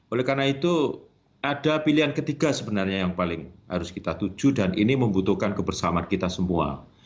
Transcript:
oleh karena itu ada pilihan ketiga sebenarnya yang paling harus kita tuju dan ini membutuhkan kebersamaan kita semua